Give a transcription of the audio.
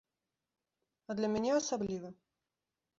А для мяне асабліва.